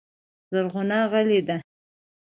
زرغونه غلې ده .